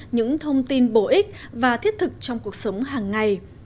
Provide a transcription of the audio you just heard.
những thông tin bổ ích và thiết thực trong cuộc sống hàng ngày